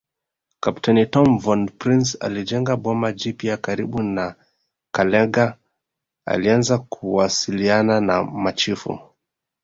Kapteni Tom von Prince alijenga boma jipya karibu na Kalenga alianza kuwasiliana na machifu